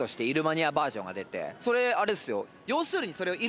それあれっすよ。